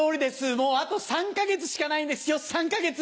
もうあと３か月しかないんですよ３か月！